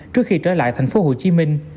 trước khi trở lại thành phố hồ chí minh